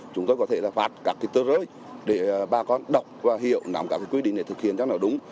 chúng tôi có thể là phạt các tư rơi để bà con đọc và hiểu nắm các quy định để thực hiện chắc nào đúng